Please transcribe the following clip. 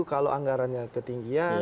kalau anggarannya ketinggian